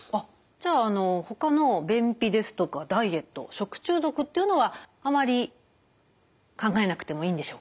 じゃあほかの便秘ですとかダイエット食中毒っていうのはあまり考えなくてもいいんでしょうか？